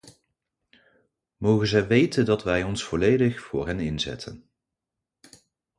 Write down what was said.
Mogen zij weten dat wij ons volledig voor hen inzetten.